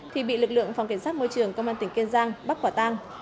thì bị lực lượng phòng kiểm soát môi trường công an tỉnh kiên giang bắt quả tang